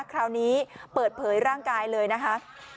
คราวนี้เปิดเผยร่างกายเลยนะคะ